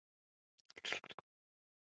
د مېلو له لاري د کلتوري تفاهم فضا پراخېږي.